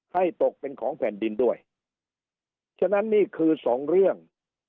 ตกเป็นของแผ่นดินด้วยฉะนั้นนี่คือสองเรื่อง